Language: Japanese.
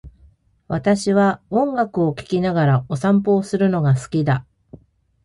私は音楽を聴きながらお散歩をするのが好きだ。